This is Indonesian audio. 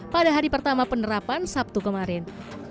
pada hari pertama penerapan sabtu kemarin